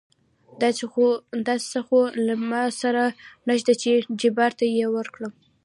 داسې څه خو له ما سره نشته چې جبار ته يې ورکړم.